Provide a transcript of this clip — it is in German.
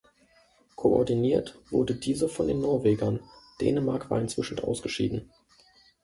Koordiniert wurde diese von den Norwegern, Dänemark war inzwischen ausgeschieden.